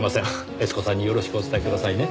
悦子さんによろしくお伝えくださいね。